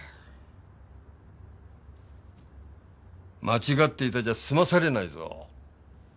間違っていたじゃ済まされないぞ。